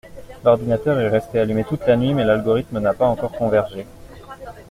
L’ordinateur est resté allumé toute la nuit mais l’algorithme n’a pas encore convergé.